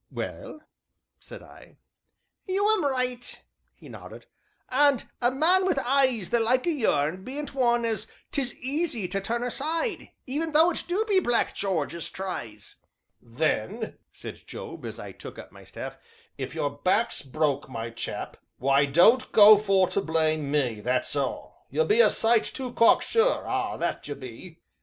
"Well?" said I. "You'm right!" he nodded, "and a man wi' eyes the like o' yourn bean't one as 'tis easy to turn aside, even though it do be Black Jarge as tries." "Then," said Job, as I took up my staff, "if your back's broke, my chap why, don't go for to blame me, that's all! You be a sight too cocksure ah, that you be!"